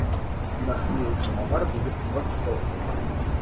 Наш милый самовар будет в восторге.